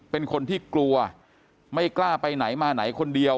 เป็นคนที่กลัวไม่กล้าไปไหนมาไหนคนเดียว